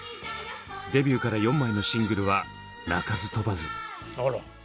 デビューから４枚のシングルは鳴かず飛ばず。